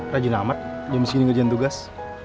rajin amat jam segini kerjaan tugas